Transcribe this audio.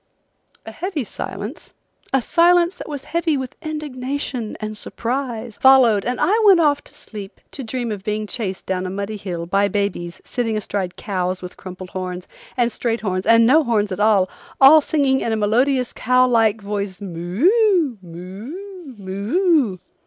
A heavy silence, a silence that was heavy with indignation and surprise, followed and I went off to sleep to dream of being chased down a muddy hill by babies sitting astride cows with crumpled horns, and straight horns and no horns at all, all singing in a melodious cow like voice, moo! moo! moo!